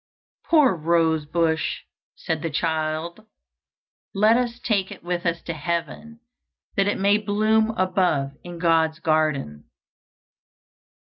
"Poor rose bush!" said the child, "let us take it with us to heaven, that it may bloom above in God's garden."